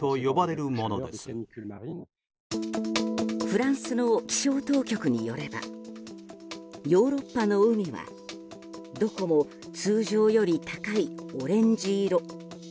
フランスの気象当局によればヨーロッパの海はどこも通常より高いオレンジ色。